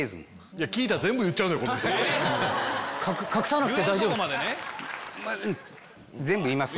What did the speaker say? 隠さなくて大丈夫ですか？